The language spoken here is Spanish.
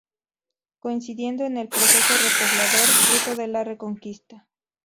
Coincidiendo con el proceso repoblador fruto de la Reconquista.